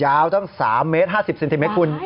ยาวต้อง๓เมตร๕๐ซินติเมตรคุณ